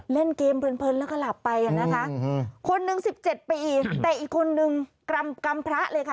เล่นเกมเพลินแล้วก็หลับไปนะคะคนนึงสิบเจ็ดปีแต่อีกคนนึงกรรมพระเลยค่ะ